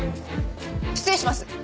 失礼します！